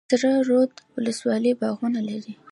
سره رود ولسوالۍ باغونه لري؟